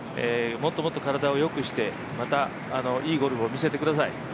もっともっと体をよくして、またいいゴルフを見せてください。